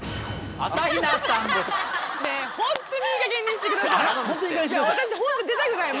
あなたホントいいかげんにしてください。